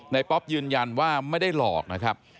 ป๊อปยืนยันว่าไม่ได้หลอกนะครับ